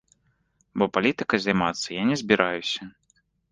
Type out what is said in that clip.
Бо палітыкай займацца я не збіраюся.